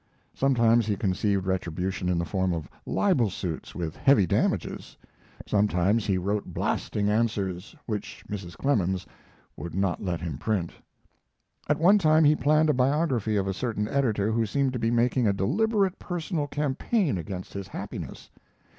Sometimes he conceived retribution in the form of libel suits with heavy damages. Sometimes he wrote blasting answers, which Mrs. Clemens would not let him print. At one time he planned a biography of a certain editor who seemed to be making a deliberate personal campaign against his happiness.